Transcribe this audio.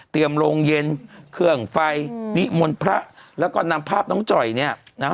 เตรียมโรงเย็นเครื่องไฟนิมวลพระแล้วก็นำภาพน้องจอยเนี่ย